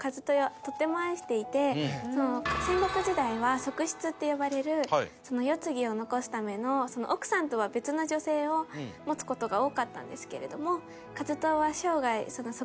戦国時代は側室って呼ばれる世継ぎを残すための奥さんとは別の女性を持つ事が多かったんですけれども。